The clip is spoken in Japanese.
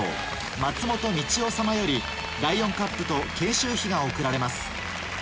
松本道夫様よりライオンカップと研修費が贈られます。